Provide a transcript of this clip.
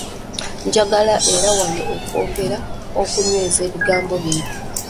Njagala era wano okwongera okunyweza ebigambo bino.